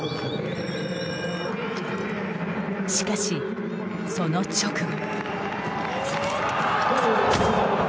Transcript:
しかし、その直後。